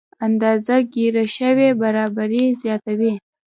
اندازه ګیره شوې برابري زیاتوي.